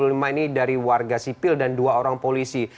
dua puluh lima ini dari warga sipil dan dua orang polisi